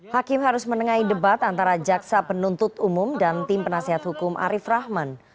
hakim harus menengahi debat antara jaksa penuntut umum dan tim penasihat hukum arief rahman